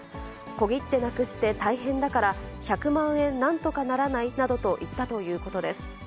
小切手なくして大変だから、１００万円なんとかならないなどと言ったということです。